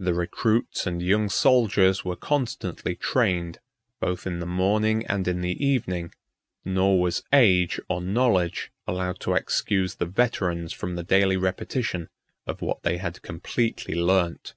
The recruits and young soldiers were constantly trained, both in the morning and in the evening, nor was age or knowledge allowed to excuse the veterans from the daily repetition of what they had completely learnt.